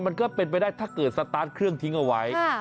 มันก็เป็นไปได้ถ้าเกิดสตาร์ทเครื่องทิ้งเอาไว้